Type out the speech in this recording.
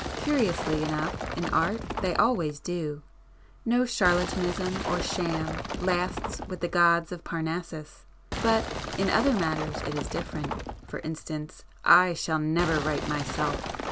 Curiously enough in art they always do,—no charlatanism [p 81] or sham lasts with the gods of Parnassus. But in other matters it is different. For instance I shall never right myself!